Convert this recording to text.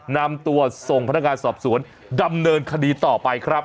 นำตัวส่งพนักงานสอบสวนดำเนินคดีต่อไปครับ